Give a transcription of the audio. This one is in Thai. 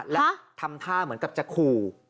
และทำท่าเหมือนกับจะขู่